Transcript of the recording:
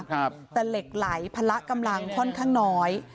แต่เหล็กไหลพละกำลังค่อนข้างน้อย